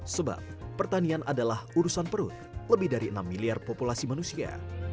sebab pertanian adalah urusan perut lebih dari enam miliar populasi manusia